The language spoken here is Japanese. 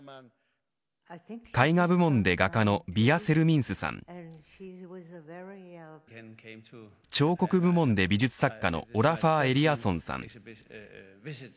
絵画部門で画家のヴィヤ・セルミンスさん彫刻部門で美術作家のオラファー・エリアソンさん